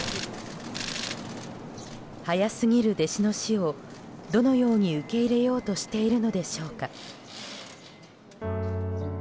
早すぎる弟子の死をどのように受け入れようとしてるのでしょうか。